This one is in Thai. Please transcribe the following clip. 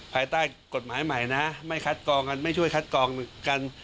ภายใต้กฎหมายใหม่นะไม่คัดกองกันไม่ช่วยคัดกรองกัน